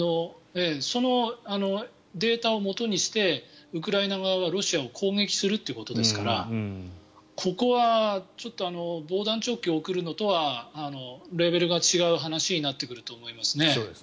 そのデータをもとにしてウクライナ側はロシアを攻撃するということですからここは防弾チョッキを送るのとはレベルが違う話になると思いますね。